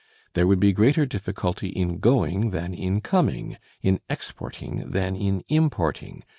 There would be greater difficulty in going than in coming, in exporting than in importing.